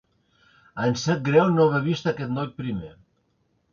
Em sap greu no haver vist aquest noi primer.